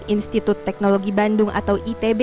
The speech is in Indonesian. institut teknologi bandung atau itb